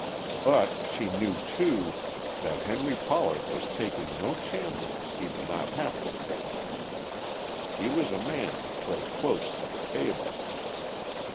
But she knew, too, that Henry Pollard was taking no chances he did not have to take. He was a man to play close to the table.